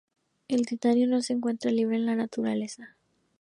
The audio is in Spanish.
El titanio no se encuentra libre en la Naturaleza.